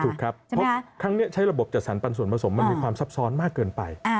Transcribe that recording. ถูกครับเพราะครั้งนี้ใช้ระบบจัดสรรปันส่วนผสมมันมีความซับซ้อนมากเกินไป